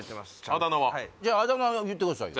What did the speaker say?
あだ名はじゃああだ名言ってくださいよ